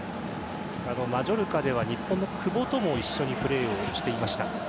マジョルカでは日本の久保とも一緒にプレーをしていました。